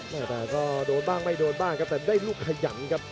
แต่ก็โดนบ้างไม่โดนบ้างครับแต่ได้ลูกขยันครับ